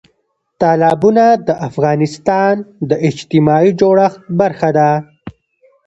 تالابونه د افغانستان د اجتماعي جوړښت برخه ده.